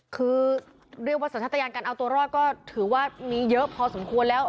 คือเรียกว่าสัญชาติยานการเอาตัวรอดก็ถือว่ามีเยอะพอสมควรแล้ว